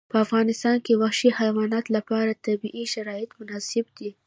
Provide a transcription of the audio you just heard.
په افغانستان کې وحشي حیواناتو لپاره طبیعي شرایط مناسب دي.